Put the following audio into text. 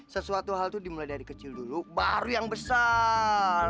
sesuatu hal itu dimulai dari kecil dulu baru yang besar